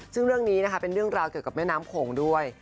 ซึ่งเรื่องนี้นะคะเป็นเรื่องราวเกี่ยวกับแม่น้ำโขงด้วย